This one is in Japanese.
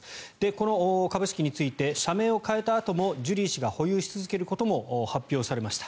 この株式について社名を変えたあともジュリー氏が保有し続けることも発表されました。